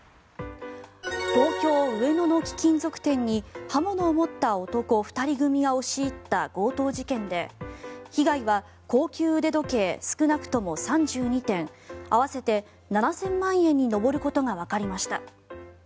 東京・上野の貴金属店に刃物を持った男２人組が押し入った強盗事件で被害は高級腕時計少なくとも３２点合わせて７０００万円に上ることがわかりました。